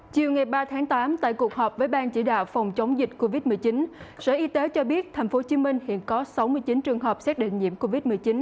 chiều ngày ba tháng tám tại cuộc họp với ban chỉ đạo phòng chống dịch covid một mươi chín sở y tế cho biết tp hcm hiện có sáu mươi chín trường hợp xác định nhiễm covid một mươi chín